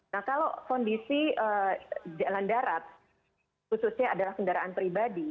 nah kalau kondisi jalan darat khususnya adalah kendaraan pribadi